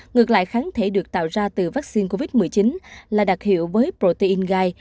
ngược lại kháng thể được tạo ra từ vaccine covid một mươi chín là đặc hiệu với protein gai